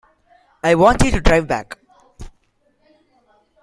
I want you to drive back.